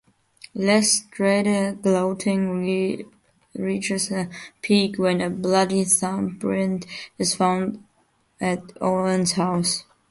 Lestrade's gloating reaches a peak when a bloody thumbprint is found at Oldacre's house.